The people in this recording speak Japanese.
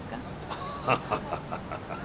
アッハハハハ。